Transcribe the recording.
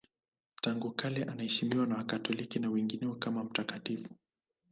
Tangu kale anaheshimiwa na Wakatoliki na wengineo kama mtakatifu.